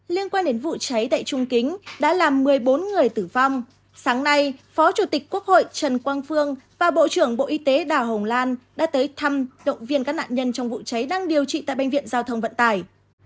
liên quan đến vụ cháy tại trung kính đã làm một mươi bốn người tử vong sáng nay phó chủ tịch quốc hội trần quang phương và bộ trưởng bộ y tế đào hồng lan đã tới thăm động viên các nạn nhân trong vụ cháy đang điều trị tại bệnh viện giao thông vận tải